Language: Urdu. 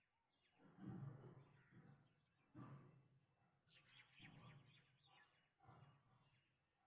اکشے کھنہ کی چھوٹے کردار کے ساتھ واپسی